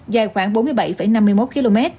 dài khoảng bốn mươi bảy năm mươi một km